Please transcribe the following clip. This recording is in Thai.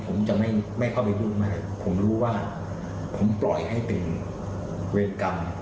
ผมจะไม่เข้าไปยุ่งไม่ผมรู้ว่าผมปล่อยให้เป็นเวรกรรม